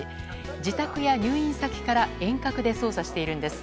自宅や入院先から遠隔で操作しているんです。